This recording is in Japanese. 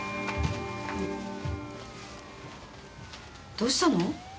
どうしたの？